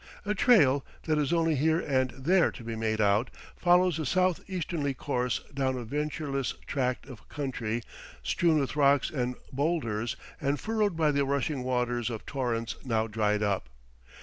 A trail, that is only here and there to be made out, follows a southeasternly course down a verdureless tract of country strewn with rocks and bowlders and furrowed by the rushing waters of torrents now dried up.